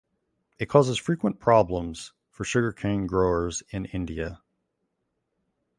It causes frequent problems for sugarcane growers in India.